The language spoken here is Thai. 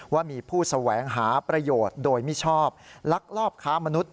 ว่ามีผู้แสวงหาประโยชน์โดยมิชอบลักลอบค้ามนุษย